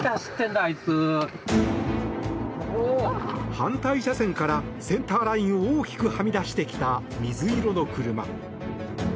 反対車線からセンターラインを大きくはみ出してきた水色の車。